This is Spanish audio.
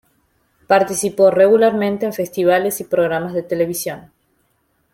Participó regularmente en festivales y programas de televisión.